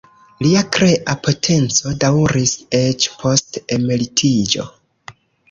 Lia krea potenco daŭris eĉ post emeritiĝo.